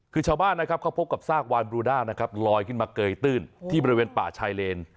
คือชาวบ้านนะครับเขาพบกับซากวานบลูด้านะครับลอยขึ้นมาเกยตื้นที่บริเวณป่าชายเลน